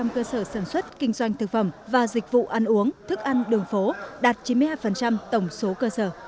một trăm linh cơ sở sản xuất kinh doanh thực phẩm và dịch vụ ăn uống thức ăn đường phố đạt chín mươi hai tổng số cơ sở